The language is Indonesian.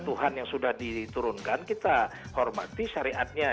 tuhan yang sudah diturunkan kita hormati syariatnya